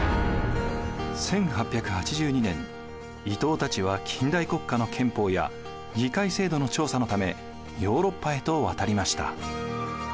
１８８２年伊藤たちは近代国家の憲法や議会制度の調査のためヨーロッパへと渡りました。